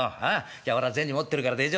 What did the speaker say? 今日は俺銭持ってるから大丈夫だ。